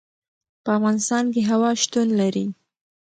په افغانستان کې هوا شتون لري.